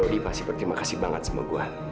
jody pasti berterima kasih banget sama gua